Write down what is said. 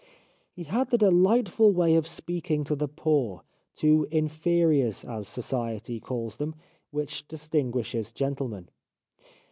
He had the delightful way of speaking to the poor, to inferiors as society calls them, which distinguishes gentlemen.